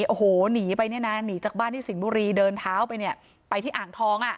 โอ้โหหนีไปเนี่ยนะหนีจากบ้านที่สิงห์บุรีเดินเท้าไปเนี่ยไปที่อ่างทองอ่ะ